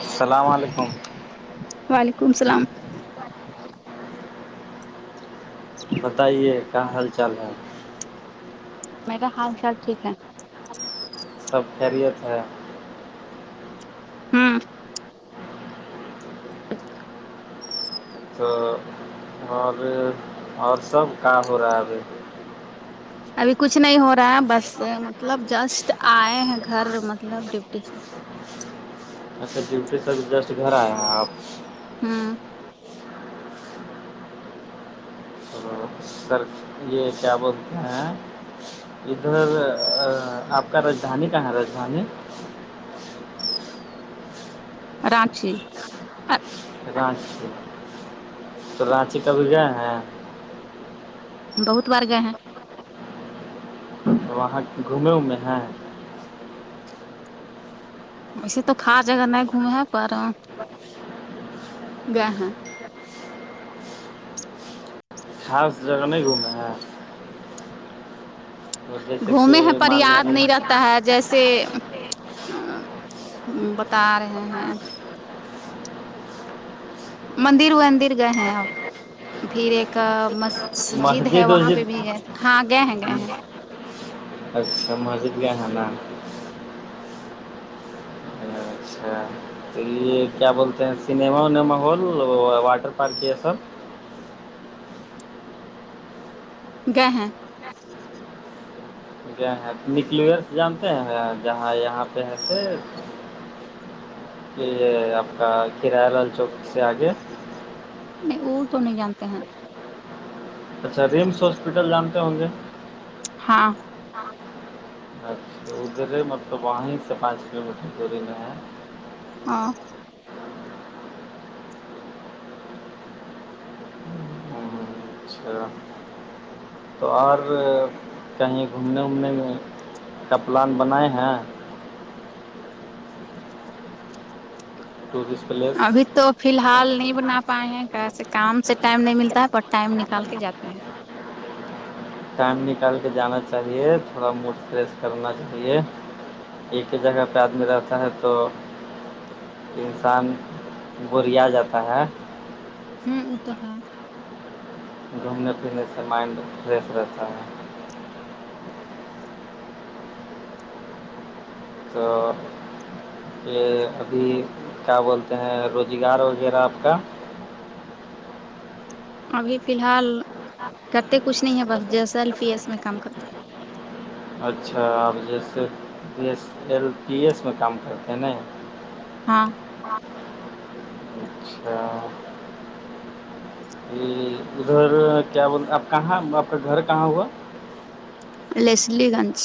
السلام علیکم وعلیکم السلام [inaudible] بتائیے کیا حال چال ہے میرا حال چال ٹھیک ہے سب خیریت ہے ہاں تو اور اور سب کام ہو رہا ہے ابھی ابھی کچھ نہیں ہو رہا ہے بس مطلب جسٹ آئے ہیں گھر مطلب ڈیوٹی سے اچھا جلتے سب جسٹ گھر آیا آپ ہاں تو سر یہ کیا بولتے ہیں ہیں ادھر آپ کا راجدھانی کہاں ہے راجدھانی رانچی رانچی تو رانچی کبھی گئے ہیں بہت بار گئے ہیں وہاں گھومے وومے ہیں وسے تو کا جگہ نہیں گھومیں پر ا گا ہاں خا جگہ نہیں گھومنا ہے ادسک گھومے ہیں پر معال یاد نہیں رہتا ہے جیسے بتا رہے ہیں مندر وندر گئے ہیں اورپ پھر ایک مسجد ہے وہاں پہ بھی ہاں گئے ہیں گئے ہیں اچھا مزید گیا ہے اچھا تو یہ کیا بولتے ہیں سنیما ونیما ہال واٹر پارک یہ سب ہاں ہ کیا نیوکلیرس جانتے ہیں جہاں یہاں پہ ہے لیے آپ کا کریہ ران چوک سے آگے نہیں وہ تو نہیں جانتے ہیں اچھا ریمس ہاسپٹل جانتے ہوں گے ہاں اچھا ادھرے مطلب وہیں سے پانچ کلو میٹر دوری میں ہے ہاں اچھا تو اور کہیں گھومنے وومنے میں کا پلان بنائے ہیں ٹورسٹ پلیس ابھی تو فی الحال نہیں بنا پائے ہیں کیسے کام سے ٹائم نہیں ملتا ہے پر ٹائم نکال کے جاتے ہیں ٹائم نکال کے جانا چاہیے تھوڑا موڈ فریش کرنا چاہیے ایک ہی جگہ پہ آدمی رہتا ہے تو انسان گوریا جاتا ہے ہوں ا توح گھومنے پھرنے سے مائنڈ فریش رہتا ہے تو یہ ابھی کیا بولتے ہیں روزگار وغیرہ آپ کا ابھی فی الحال کرتے کچھ نہیں ہے بس جیسیلفی ہے اس میں کام کر اچھا آپ جیسے جس ایل پی ایس میں کام کرتے ہیں نا ہاں اچھا ادھر کیا آپ کہاں آپ کا گھر کہاں ہوا لسلی گنج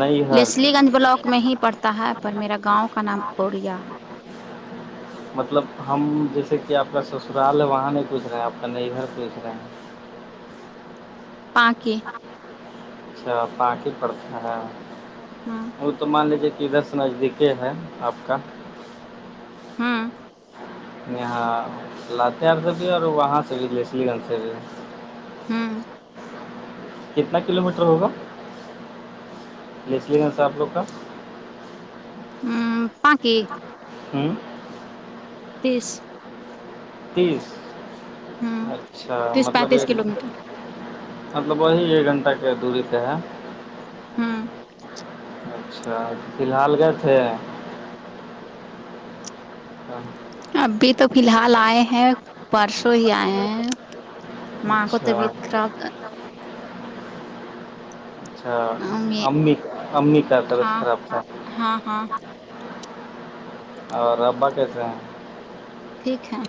نئی گھر لسلی گنج بلاک میں ہی پڑتا ہے پر میرا گاؤں کا نام کوریا ہے [unintelligible] مطلب ہم جیسے کہ آپ کا سسرال ہے وہاں نہیں پوچھ رہے ہیں آپ کا گھر پوچھ رہے ہیں پاک اچھا پٹی پڑتا ہے ہاں وہ تو مان لیجیے کہ ادھر سے نزدیکی ہے آپ کا ہاں یہاں لااتار سے بھی اور وہاں سے بھی جسلی گنج سے بھی ہاں کتنا کلو میٹر ہوگا لس لی گن سر آپ لوگ کا ہوں پکی ہوں تیس تیس ہوں اچھا تیس مطلب پینتیس ایک کلو میٹر مطلب وہی ایک گھنٹہ کے دوری پہ ہے ہوں اچھا فی الحال گئے تھے ہاں ابھی تو فی الحال آئے ہیں پرسوں ہی آئے ہیں ماں کو اچھا طبیعت خراب اچھا امی امی کا طبیعت ہاں خراب تھا ہاں ہاں اور ربا کیسے ہیں ٹھیک ہے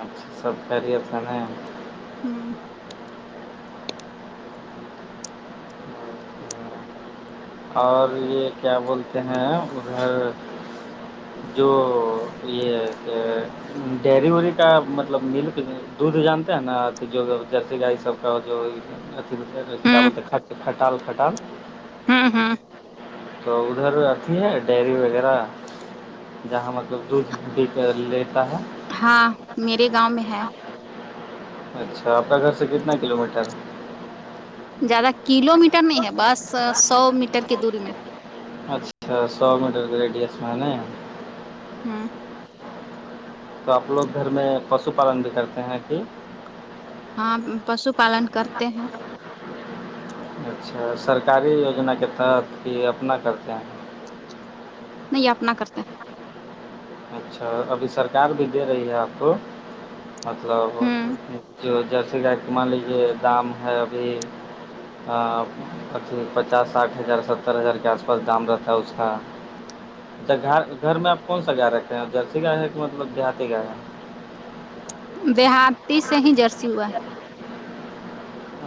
اچھا سب کریر تو نہیں ہاں اور یہ کیا بولتے ہیں ادھر جو یہ ہے کہ ڈیری وری کا مطلب ملک دودھ جانتے ہیں نا جو جرسی گائی سب کا جو کیا ہوں بولتے کھٹال خھٹال ہاں ہاں تو ادھر اھی ہے ڈیری وغیرہ جہاں مطلب دھ پے کر لیتا ہے ہاں میرے گاؤں میں ہے اچھا آپ کا گھر سے کتنا کلو میٹر زیادہ کلو میٹر نہیں ہے بس سو میٹر کی دوری میں اچھا سو میٹر کے ریڈیس میں ہے نا ہاں تو آپ لوگ گھر میں پشو پالن بھی کرتے ہیں کہ ہاں پشو پالن کرتے ہیں اچھا سرکاری یوجنا کے تحت کہ اپنا کرتے ہیں نہیں اپنا کرتے ہیں جی اچھا ابھی سرکار بھی دے رہی ہے آپ کو مطلب ہیں ہوں جو جیسے گائے کے مان لیجیے دام ہے ابھی اھی پچاس ساٹھ ہزار ستر ہزار کے آس پاس دام رہتا ہے اس کا اچھا گھر گھر میں آپ کون سا گائے رکھے ہیں جرسی کا ہے کہ مطلب دیہاتی کا ہے دےیہاتاتی سے ہی جرسی ہوا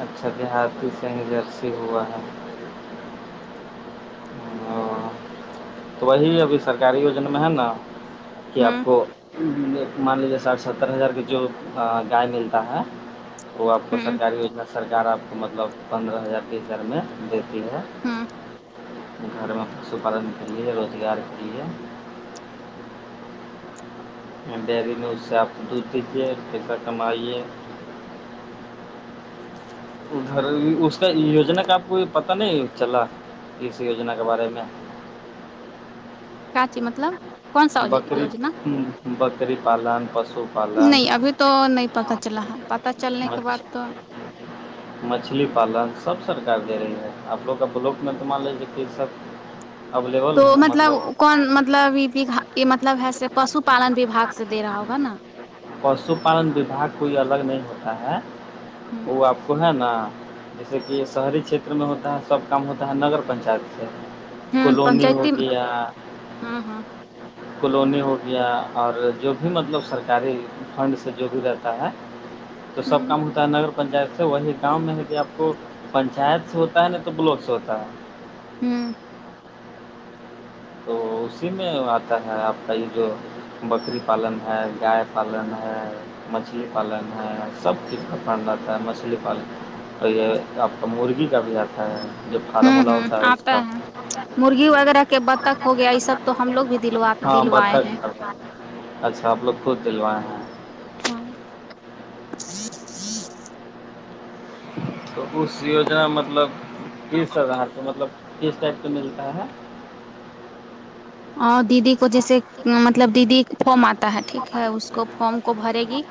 اچھا بہار کی سینجرسی ہوا ہے ہو تو وہی ابھی سرکاری وجنا میں ہے نا ہے کہ ہوں آپو مان لیجیے ساٹھ ستر ہزار کی جو گائے ملتا ہے وہ آپ کو ہوں سرکاری یجنا سرکار آپ کو مطلب پندرہ ہزار تیس ہار میں دیتی ہے ہوں گھر میں پشو پالن کے لیے روزگار کے لیے ڈیری میں اس سے آپ دودھ دیجیے پیسہ کمائیے ادھر اس کا یوجنا کا آپ کو پتہ نہیں چلا کسی یوجنا کے بارے میں کاچی مطلب کون سا بکری یوجنا بکری پالن پشو پالن نہیں ابھی تو نہیں پتا چلا ہے پت چلنے کے بعد تو ا [inaudible] مچھلی پالن سب سرک دے رہی ہے آپ لوگ کا بلوک میں تو مان لےی کہ سب اویلیبل تو ہو مطلب کون مطلب یہ یہ مطلب ہے پشو پالن وباگ سے دے رہا ہوگا نا [inaudible] پشو پالن وھاگ کوئی الگ نہیں ہوتا ہے ہ وہ آپ کو ہے نا جیسے کہ شہری چھیتر میں ہوتا ہے سب کام ہوتا ہے نگر پنچایت سے ہاں کالونی ہو پنچاتی ہاں ہاں کلونی ہو گیا اور جو بھی مطلب سرکاری فنڈ سے جو بھی رہتا ہے تو ہ سب کام ہوتا ہے نگر پنچایت سے وہی کام میں ہے کہ آپ کو پنچایت سے ہوتا ہے نہیں تو بلاک سے ہوتا ہے ہوں تو اسی میں آتا ہے آپ کا یہ جو بکری پالن ہے گائے پالن ہے مچھلی پالن ہے سب کز کا فھنڈ آتا ہے مچھلی پالن تو یہ آپ کا مرغی کا بھی آتا ہے جو ہوں فارمولا ہوں ہوتا ہے اس آتا کا مرغی وغیرہ کے بتخ ہو گیا یہ سب تو ہم لوگ بھی دلوا ہاں دلوائے بتخ ہیں کا بھی۔ اچھا آپ لوگ خود دلوائے ہیں ہاں تو اس یوجنا مطلب کس آدھار کو مطلب کس ٹائپ کا ملتا ہے دیدی کو جیسے مطلب دیدی فارم آتا ہے ٹھیک ہے اس کو فارم کو بھرے گی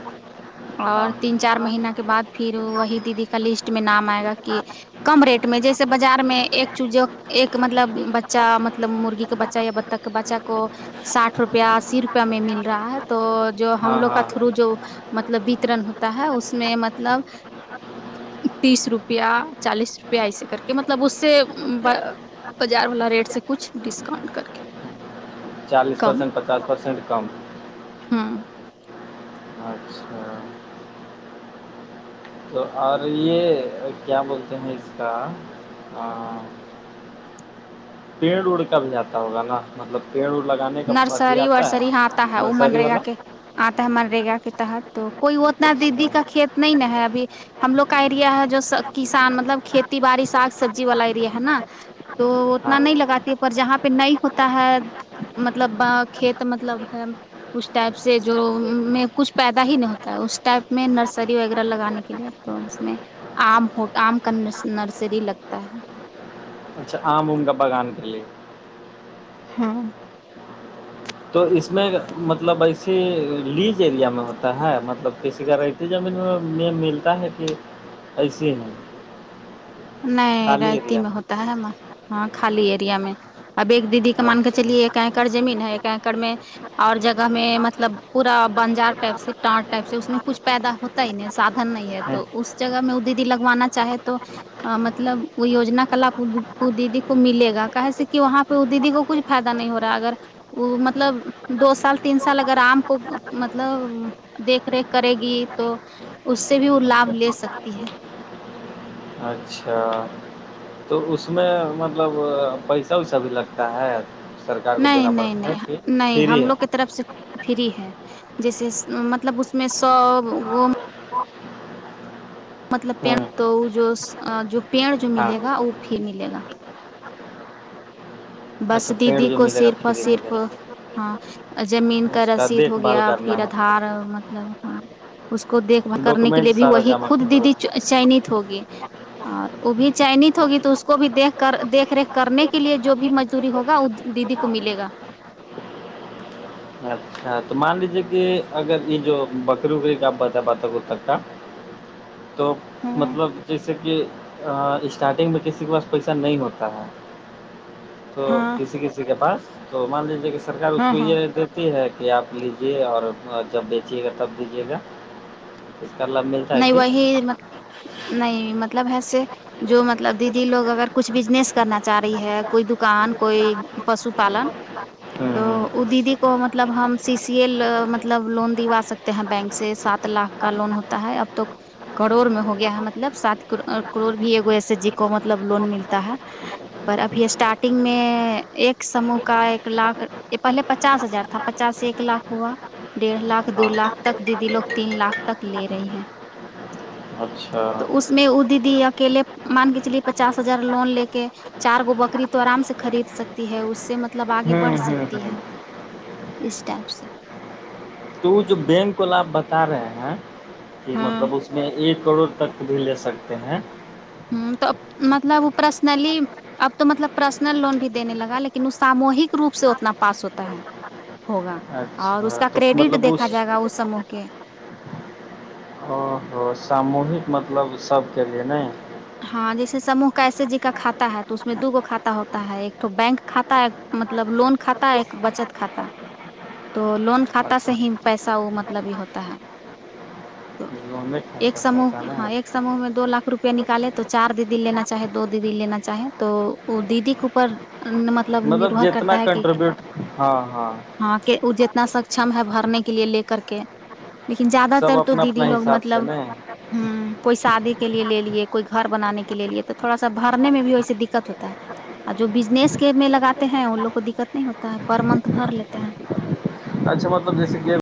ہاں اور تین چار مہین کے بعد پھر وہی دیدی کا لسٹ میں نام آئے گا کہ کم ریٹ میں جیسے بازار میں ایک چوز ایک مطلب بچہ مطلب مرغی کے بچہ یا تک بچہ کو سٹھ روپیہ صرف روپ میں مل رہا ہے تو جو ہم ہاں لوگ کا تھرو ہاں جو مطلب وترن ہوتا ہے اس میں مطلب تیس روپیہ چالیس روپیہ ایے کر کے مطلب اس سے بازار والا ریٹ سے کچھ ڈسکاؤنٹ کر کے چالیس پرسینٹ پچاس پرسینٹ کم ہاں اچھا تو اور یہ کیا بولتے ہیں اس کا پیڑ اڑ کر بھی جاتا ہوگا نا مطلب پیڑ اڑ لگانے کا اھی نرسری آتا ورسری ہے ہاں آتا ہے وہ نرسری منریگا والا کے آتا ہے منرگا کے تحت تو کوئی اتنا دیدی اچھا کا کھیت اتنا ہی ن ہے ابھی ہم لوگ کا ایریا ہے جو کسان مطلب کھیتی باڑی سگ سبزی والا ری ہے نا تو اتنا ہاں نہیں لگاتی ہے پر جہاں پہ نہیں ہوتا ہے مطلب ب کھیت مطلب ہے اس ٹائپ سے جو میں کچھ پیدا ہی نہیں ہوتا ہے اس ٹائپ میں نرسری وغیرہ لگانے کے لیے تو اس میں آم ہو آم کا نرسری لگتا ہے اچھا آم ام کا بگان کے لیے ہاں تو اس میں مطلب ایسے لیج ایریا میں ہوتا ہے مطلب کسی کا ر زمین میں یہ ملتا ہے کہ ایسے ہیں نہیں رائیتی میں ہوتا ہے ہاں خالی ایریا میں اب ایک د دیدی کا مان کے چلیے ایک اکڑ زمین ہے ایک اکڑ میں اور جگہ میں اچھا مطلب پورا بنجار ٹائپ سے ٹٹ ٹائپ سے اس میں کچھ پیدا ہوتا ہی ن سادھن نہیں ہے ہ تو اس جگہ میں وہ دیدی لگوانا چاہے تو مطلب وہ یوجنا کا لابھ وہ دیدی کو ملے گا کہ س کہ وہاں پہ دیدی کو کچھ فائدہ نہیں ہو رہا اگر وہ مطلب دو سال تین سال اگر آام کو مطلب دیکھ ریکھ کرے گی تو اس سے بھی لابھ لے سکتی ہے اچھا تو اس میں مطلب پیسہ ویسا بھی لگتا ہے سرکار کو نہیں دینا نہیں پڑتا ہے نہیں کہ نہیں فری ہم ہے لوگ کی طرف سے فری ہے جیسے مطلب اس میں سو وہ [unintelligible] مطلب ہ پڑ تو وہ جو جو پیڑ جو ہاں ملے گا وہ پ ملے گا بس اچھا پیڑ دیدی جو کو ملے گا صرف اور فری میں صرف ملے ہاں گا زمین کا اس رسید دیکھ ہو بھال گیا کرنا پھر ہے دار م [unintelligible] [inaudible] مطلب ہاں اس کو دیکھ بھال کرنے کے ڈاکومنٹ لیے بھی سارا وہی جمع خود کرنا دیدی ہے چینت ہوگی اور وہ بھی چائنیز ہوگی تو اس کو بھی دیکھ کر دیکھ ریکھ کرنے کے لیے جو بھی م ہوگا وہ دیدی کو ملے گا [unintelligible] اچھا تو مان لیجیے کہ اگر یہ جو بکری وکری کا آپ بت ب ت کو تک کا تو ہاں مطلب جیسے کہ اسٹارٹنگ میں کسی کے پاس پیسہ نہیں ہوتا ہے تو ہاں کسی کسی کے پاس تو مان لیجیے کہ سرار اس ہاں کو ہاں یہ ہے کہ آپ لیجیے اور جب بیچیے گا تب دیجیے گا اس کا لب ملتا ہے نہیں کہ وہی م نہیں مطلب ایسے جو مطلب دیدی لوگ اگر کچھ بزنس کرنا چاہ رہی ہے کوئی دکان کوئی پشو پالن ہوں تو ہوں وہ دیدی کو مت مطلب ہم سی سی اے مطلب لون دوا سکتے ہیں بینک سے سات لاکھ کا لون ہوتا تا ہے اب توک کروڑ میں ہو گیا ہے مطلب سات کروڑ بھی ایک ایس ایس جی کو مطلب لون ملتا ہے پر ابھی اسٹارٹنگ میں ایک سوہ کا ایک لاکھ یہ پہلے پچاس ہزار تھا پچاس ایک لاکھ ہوا ڈیڑھ لاکھ دو ہاں لاکھ تک دیدی لوگ تین لاکھ تک لے رہی ہیں اچھا تو اس میں ا دیدی اکیلے مان کے چلیے پچاس ہزار لون لے کے چار گو بکری تو آرام سے خرید سکتی ہے اس سے ملب مطلب آگے بڑھ ہوں ہوں سکتی ہوں ہے اس ٹائپ سے تو جو بینک وال ل آپ بتا رہے ہیں کہ ہاں مطلب اس میں ایک کروڑ تک بھی لے سکتے ہیں ہ تو مطلب پرسنلی اب تو مطلب پرسنل لون بھی دینے لگا لیکن وہ ساموہک روپ سے اتنا پاس ہوتا ہے ہوگا اور اس اچھا کا تو کریڈٹ مطلب دیکھا جائے گا اس سموہ کے او ہو ساموہک مطلب سب کے لیے ن ہاں جیسے سموہ کیسے جی کا کاتا ہے تو اس میں دو گ کھاتا ہوتا ہے ایک تو بینک کھاتا مطلب لون کھا ایک بچت کھاتا تو لون کھاتا سے اچھا ہی پیسہ وہ مطلب بھی ہوتا ہے تو لونے ایک کھاتا سموہ ستا ہاں ایک نہیں سموہ میں دو لاکھ روپیہ نکالت تو چار دیدی لینا چاہے دو دیدی لینا چاہیں تو وہ دیدی کےوپر مطلب مطلب نربھر جتنا کرتا ہے کہ کنٹریبیوٹ ہاں ہاں ہاں کہ وہ جتنا سکم ہے بھرنے کے لیے لے کر کے لیکن زیادہ سب تر تو اپنا دیدی اپنا لوگ حساب سے مطلب ن ہ کوئی شادی کے لیے لے لیے کوئی گھر بنانے کے لیے لیے تو تھوڑا سا بھرنے میں بھی ویسے دقت ہوتا ہے اور جو بجنس کے میں لگاتے ہیں وہ لوگ کو دقت نہیں ہوتا ہے پر منتھ بھر لیتے ہیں اچھا مطلب جیسے کہ